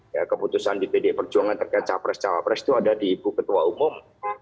ya keputusan di pdi perjuangan terkait capres cawapres itu ada di ibu ketua umum